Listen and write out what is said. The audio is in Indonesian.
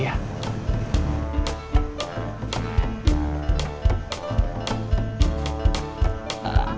ini ada apa